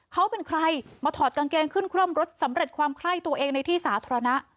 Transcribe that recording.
เขาเป็นใครมาถอดกางเกงขึ้นคร่อมรถสำเร็จความไข้ตัวเองในที่สาธารณะ